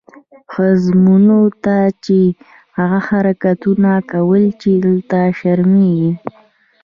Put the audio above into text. ښځمنو ته یې هغه حرکتونه کول چې دلته شرمېږم.